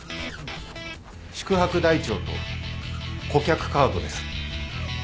宿泊台帳と顧客カードです。